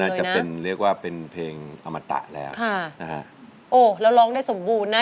นุ่นน่าจะเป็นเรียกว่าเป็นเพลงภรรมตะแล้วนะฮะโอ๊ยแล้วร้องได้สมบูรณ์นะ